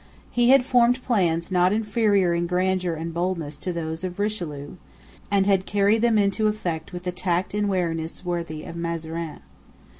He had formed plans not inferior in grandeur and boldness to those of Richelieu, and had carried them into effect with a tact and wariness worthy of Mazarin.